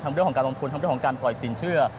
เรื่องของการลงทุนทั้งเรื่องของการปล่อยสินเชื่อ